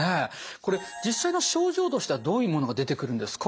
これ実際の症状としてはどういうものが出てくるんですか？